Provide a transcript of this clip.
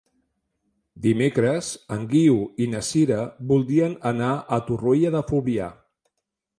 Dimecres en Guiu i na Sira voldrien anar a Torroella de Fluvià.